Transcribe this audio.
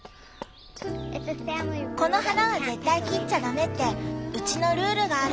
この花は絶対切っちゃダメってうちのルールがあるの。